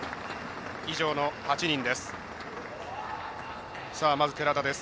以上の８人です。